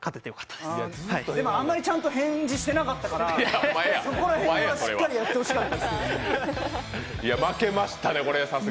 でもあんまりちゃんと返事してなかったからそこら辺ちゃんとしっかりやって欲しかった。